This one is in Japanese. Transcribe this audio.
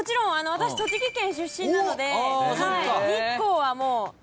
私栃木県出身なので日光はもう。